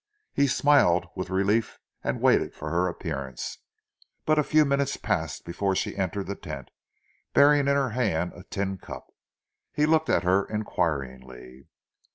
He smiled with relief and waited for her appearance, but a few minutes passed before she entered the tent, bearing in her hand a tin cup. He looked at her inquiringly.